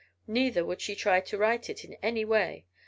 Neither would she try to right it in any way.